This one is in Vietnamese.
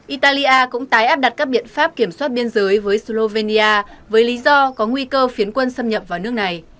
italia cũng tái áp đặt các biện pháp kiểm soát biên giới với slovenia với lý do có nguy cơ phiến quân xâm nhập vào nước này